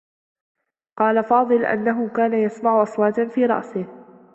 قال فاضل أنّه كان يسمع أصواتا في رأسه.